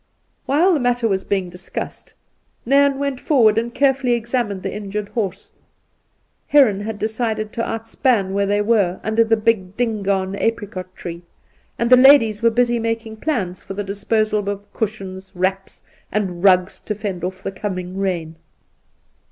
While the matter was being discussed, Nairn went forward and carefully examined the injured horse. Heron had decided to outspan where they were, under a big Dingaan apricot tree, and the ladies were busy making plans for the disposal of cushions, wraps, and rugs to fend off the coming rain.